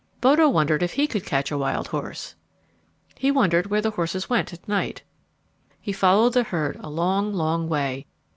Bodo wondered if he could catch a wild horse. He wondered where the horses went at night. He followed the herd a long, long way.